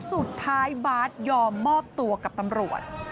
สุดท้ายบาสยอมมอบตัวกับตำรวจ